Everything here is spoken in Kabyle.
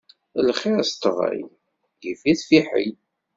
Lxiṛ s ṭṭbel, yif-it fiḥel.